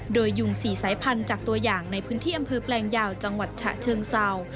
โดยยุง๔สายพันธุ์จากตัวอย่างในพื้นที่อำเภอแปลงยาวจังหวัดฉะเชิงเศร้า